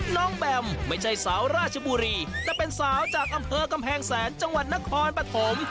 แบมไม่ใช่สาวราชบุรีแต่เป็นสาวจากอำเภอกำแพงแสนจังหวัดนครปฐม